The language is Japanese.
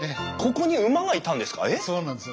そうなんです。